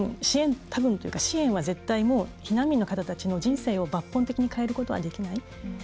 支援は絶対避難民の方たちの人生を抜本的に変えることはできない。